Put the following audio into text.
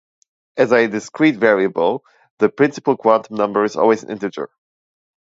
As a discrete variable, the principal quantum number is always an integer.